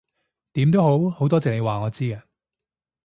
點都好，好多謝你話我知啊